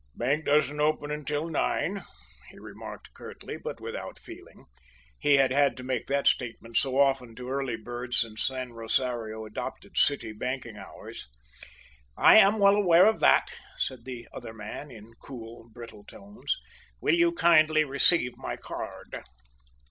"Bank doesn't open 'til nine," he remarked curtly, but without feeling. He had had to make that statement so often to early birds since San Rosario adopted city banking hours. "I am well aware of that," said the other man, in cool, brittle tones. "Will you kindly receive my card?"